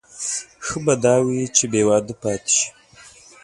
ښه به دا وي چې بې واده پاتې شي.